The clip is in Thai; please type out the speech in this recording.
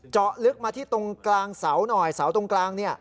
เจาะลึกมาที่ตรงกลางเสาหน่อยเสาตรงกลาง